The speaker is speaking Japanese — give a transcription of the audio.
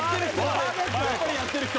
やっぱりやってる人。